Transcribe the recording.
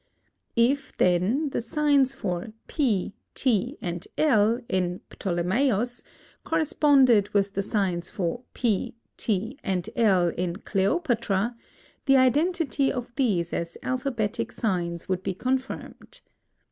If, then, the signs for P, t and l in Ptolemaios corresponded with the signs for p, t and l in Cleopatra, the identity of these as alphabetic signs would be confirmed.